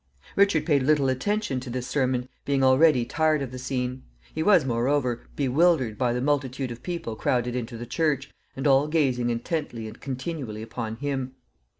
Richard paid little attention to this sermon, being already tired of the scene. He was, moreover, bewildered by the multitude of people crowded into the church, and all gazing intently and continually upon him.